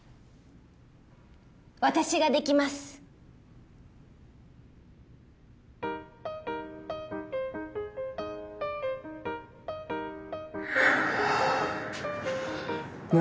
私ができます何？